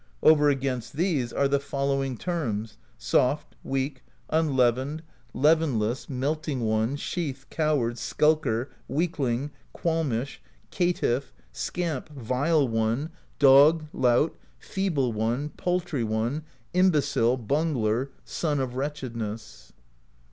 Over against these are the following terms: Soft, Weak, Unleavened, Leavenless, Melting One, Sheath, Coward, Skulker, Weak ling, Qualmish, CaitifF, Scamp, Vile One, Dog, Lout, Feeble One, Paltry One, Imbecile, Bungler, Son of Wretchedness.